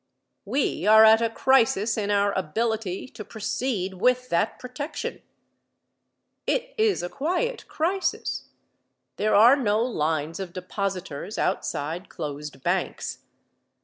We are at a crisis in our ability to proceed with that protection. It is a quiet crisis. There are no lines of depositors outside closed banks.